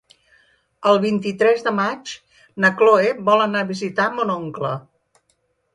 El vint-i-tres de maig na Chloé vol anar a visitar mon oncle.